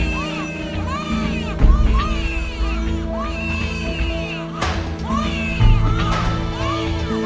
masih orang manak